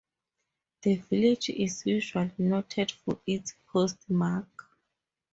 The village is usually noted for its postmark.